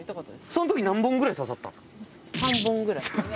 その時何本ぐらい刺さったんすか？